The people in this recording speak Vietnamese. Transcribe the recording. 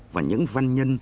và những văn nhân